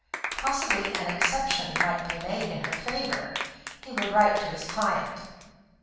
Possibly an exception might be made in her favour; he would write to his client.